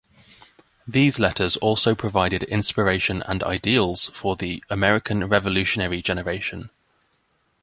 These letters also provided inspiration and ideals for the American Revolutionary generation.